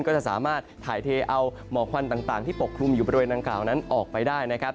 ก็จะสามารถถ่ายเทเอาหมอกควันต่างที่ปกคลุมอยู่บริเวณดังกล่าวนั้นออกไปได้นะครับ